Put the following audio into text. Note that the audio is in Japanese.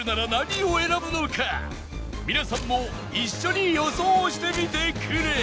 皆さんも一緒に予想してみてくれ